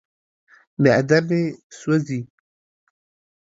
معده مې سوځي.